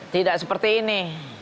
tidak seperti ini